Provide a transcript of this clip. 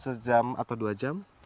sejam atau dua jam